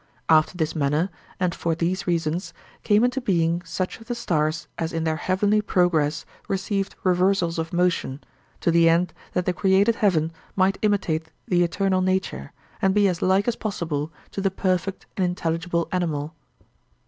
After this manner, and for these reasons, came into being such of the stars as in their heavenly progress received reversals of motion, to the end that the created heaven might imitate the eternal nature, and be as like as possible to the perfect and intelligible animal.